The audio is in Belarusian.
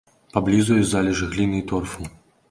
Паблізу ёсць залежы гліны і торфу.